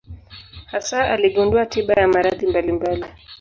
Hasa aligundua tiba ya maradhi mbalimbali.